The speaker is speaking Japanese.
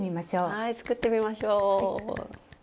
はい作ってみましょう。